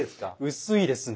薄いですか？